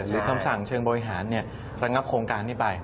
หรือคำสั่งเชิงบริหารเนี่ยระงับโครงการนี้ไป